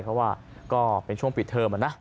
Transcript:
เพราะว่าเป็นช่วงปิดเทิม